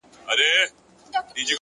• ځي لکه هوسۍ وي تورېدلې سارانۍ ,